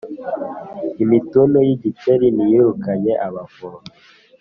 Imitunu y’igikeri ntiyirukanye abavomyi.